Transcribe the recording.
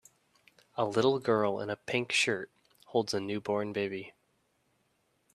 A little girl in a pink shirt holds a newborn baby